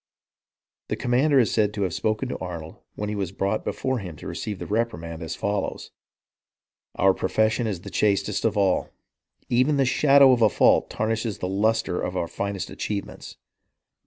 The commander is said to have spoken to Arnold, when he was brought be fore him to receive the reprimand, as follows :" Our pro fession is the chastest of all. Even the shadow of a fault tarnishes the lustre of our finest achievements.